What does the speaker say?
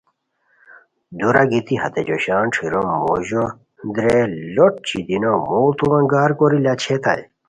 دُورہ گیتی ہتے جوشان ݯھیرو موژو درئے لوٹ چیدینو موڑتو انگار کوری لا چھیتائے